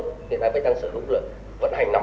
ngày nay bách đang sử dụng là vận hành năm cái dự án